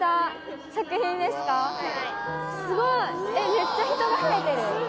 めっちゃ人が増えてる。